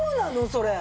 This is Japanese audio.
それ。